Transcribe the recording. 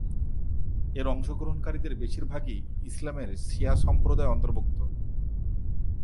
এর অংশগ্রহণকারীদের বেশিরভাগই ইসলামের শিয়া সম্প্রাদয় অন্তর্ভুক্ত।